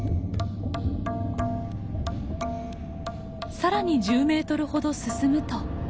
更に１０メートルほど進むと。